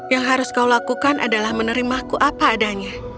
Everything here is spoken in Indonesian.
yang harus kau lakukan adalah menerimaku apa adanya